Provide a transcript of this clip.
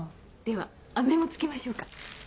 ではアメも付けましょうか。